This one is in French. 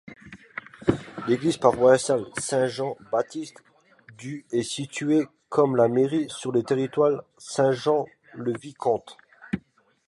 L'église paroissiale Saint-Jean-Baptiste du est située, comme la mairie, sur le territoire de Saint-Sauveur-le-Vicomte.